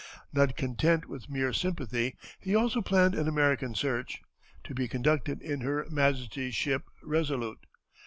Not content with mere sympathy he also planned an American search, to be conducted in Her Majesty's ship Resolute.